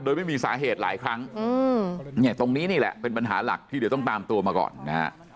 โดยไม่มีสาเหตุหลายครั้งเนี่ยตรงนี้นี่แหละเป็นปัญหาหลักที่เดี๋ยวต้องตามตัวมาก่อนนะฮะ